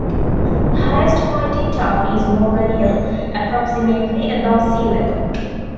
The highest point in town is Morgan Hill, approximately above sea level.